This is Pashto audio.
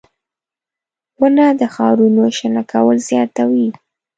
• ونه د ښارونو شنه کول زیاتوي.